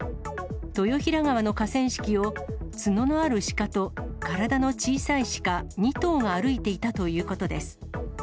豊平川の河川敷を、角のあるシカと、体の小さいシカ２頭が歩いていたということです。